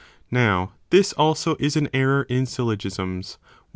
| Now this also is an error in syllogisms, when 8.